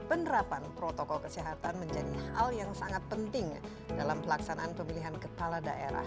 penerapan protokol kesehatan menjadi hal yang sangat penting dalam pelaksanaan pemilihan kepala daerah